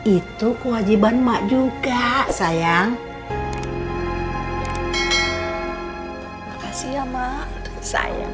itu kewajiban mak juga sayang makasih ya mak saya